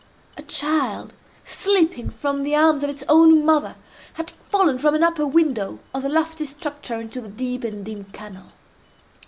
A child, slipping from the arms of its own mother, had fallen from an upper window of the lofty structure into the deep and dim canal.